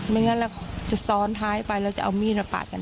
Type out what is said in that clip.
มีการวางแผมด้วยก่อน